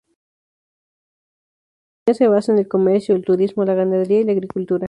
Su economía se basa en el comercio, el turismo, la ganadería y la agricultura.